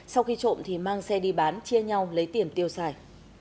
sau khi trộm thì mang xe đi bán chia nhau lấy tiền tiêu xài